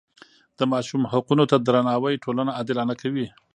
د ماشوم حقونو ته درناوی ټولنه عادلانه کوي.